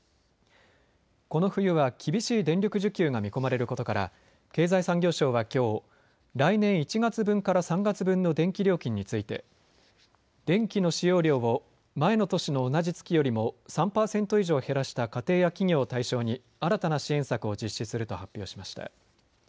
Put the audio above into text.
この冬は厳しい電力需給が見込まれることから経済産業省はきょう来年１月分から３月分の電気料金について電気の使用量を前の年の同じ月よりも３％以上減らした家庭や企業を対象に新たな支援策を実施すると発表しました。